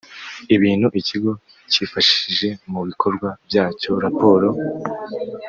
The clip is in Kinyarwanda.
Ibintu ikigo cyifashishije mu bikorwa byacyo raporo